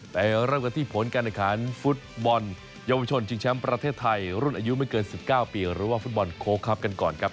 เริ่มกันที่ผลการแข่งขันฟุตบอลเยาวชนชิงแชมป์ประเทศไทยรุ่นอายุไม่เกิน๑๙ปีหรือว่าฟุตบอลโค้กครับกันก่อนครับ